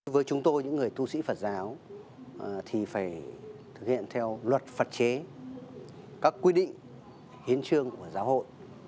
với chúng tôi những người tu sĩ phật giáo thì phải thực hiện theo luật phật chế các quy định hiến trương của giáo hội